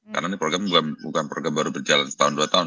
karena ini program bukan program baru berjalan setahun dua tahun